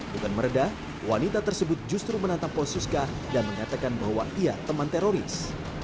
bukan meredah wanita tersebut justru menantang polsuska dan mengatakan bahwa ia teman teroris